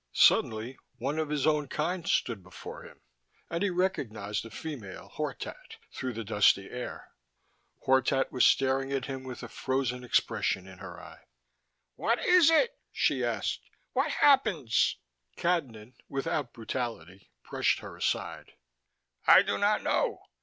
Suddenly, one of his own kind stood before him, and he recognized a female, Hortat, through the dusty air. Hortat was staring at him with a frozen expression in her eye. "What is it?" she asked. "What happens?" Cadnan, without brutality, brushed her aside. "I do not know.